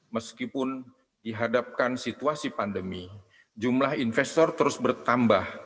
meskipun dihadapkan situasi pandemi jumlah investor terus bertambah